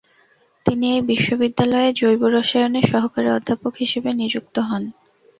তিনি এই বিশ্ববিদ্যালয়ে জৈব রসায়নের সহকারী অধ্যাপক হিসিবে নিযুক্ত হন।